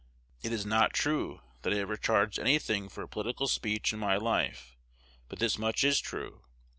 It is not true that I ever charged any thing for a political speech in my life; but this much is true.